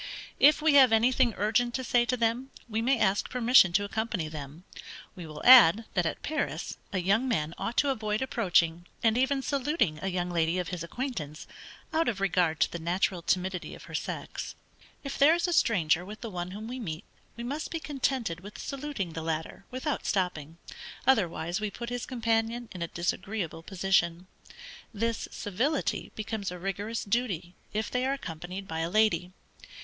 If we have anything urgent to say to them, we may ask permission to accompany them. We will add, that at Paris, a young man ought to avoid approaching, and even saluting a young lady of his acquaintance, out of regard to the natural timidity of her sex. If there is a stranger with the one whom we meet, we must be contented with saluting the latter without stopping, otherwise we put his companion in a disagreeable position. This civility becomes a rigorous duty if they are accompanied by a lady.